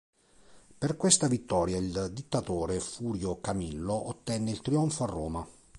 Per questa vittoria il dittatore Furio Camillo ottenne il trionfo a Roma.